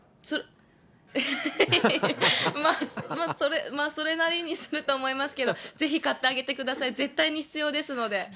まあ、まあそれなりにすると思いますけど、ぜひ買ってあげてください、絶対に必要ですので。